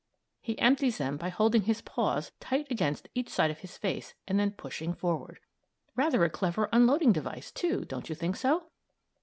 He empties them by holding his paws tight against the side of his face and then pushing forward. Rather a clever unloading device, too; don't you think so?